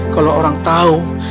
kalau orang tahu